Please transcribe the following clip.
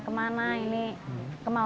kalau kemana mana bisa tau arah kemana